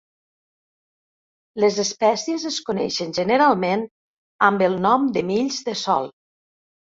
Les espècies es coneixen generalment amb el nom de mills de sol.